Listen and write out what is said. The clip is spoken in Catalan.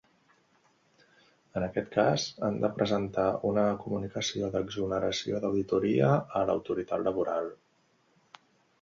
En aquest cas, han de presentar una comunicació d'exoneració d'auditoria a l'autoritat laboral.